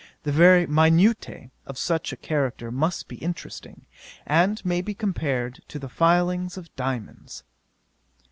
The very minutiae. of such a character must be interesting, and may be compared to the filings of diamonds.